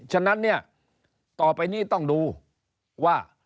ฉะนั้นเนี่ยต่อไปนี้ต้องดูว่า